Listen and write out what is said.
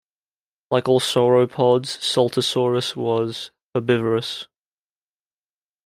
Like all sauropods, "Saltasaurus" was herbivorous.